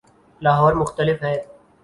لاہور مختلف ہے۔